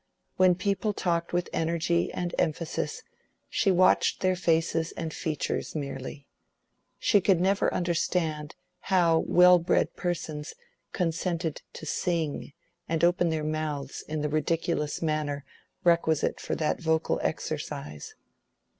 When people talked with energy and emphasis she watched their faces and features merely. She never could understand how well bred persons consented to sing and open their mouths in the ridiculous manner requisite for that vocal exercise.